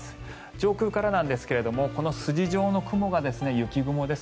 上空からなんですがこの筋状の雲が雪雲です。